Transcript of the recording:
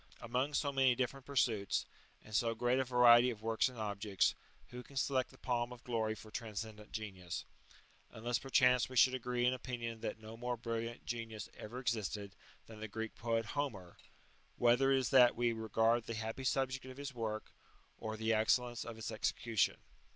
Among so many different pursuits, and so great a variety of works and objects, who can select the palm of glory for tran scendent genius ? Unless perchance we should agree in opinion :hat no more brilliant genius ever existed than the Greek poet Eomer, whether it is that we regard the happy subject of his vork, or the excellence of its execution.